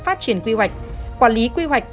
phát triển quy hoạch quản lý quy hoạch